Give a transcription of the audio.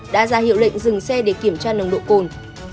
đã ra hiệu lệnh dừng xe để kiểm tra nồng độ cồn